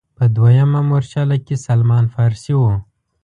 په دویمه مورچله کې سلمان فارسي و.